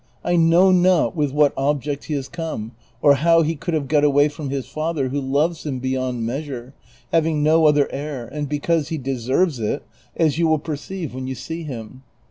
I know not with what object he has come ; or how he could have got away from his father, who loves him beyond measure, having no other heir, and because he deserves it, as you will perceive when you see him.